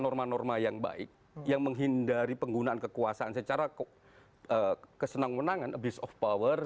norma norma yang baik yang menghindari penggunaan kekuasaan secara kok kesenangan abuse of power